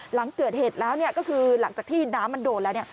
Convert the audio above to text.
หลังเกิดเหตุแล้วเนี่ยก็คือหลังจากที่น้ำมันโดนแล้วเนี่ย